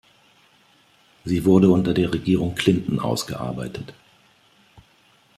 Sie wurde unter der Regierung Clinton ausgearbeitet.